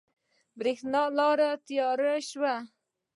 برېښنا لاړه تیاره شوه